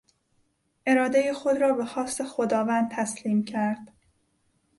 ارادهی خود را به خواست خداوند تسلیم کرد.